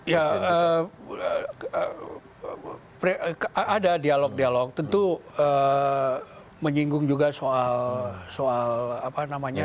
ya ada dialog dialog tentu menyinggung juga soal apa namanya